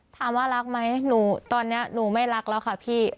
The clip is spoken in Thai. ถามว่ารักไหมหนูตอนนี้หนูไม่รักแล้วค่ะพี่